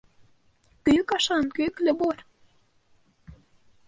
Көйөк ашаған көйөклө булыр.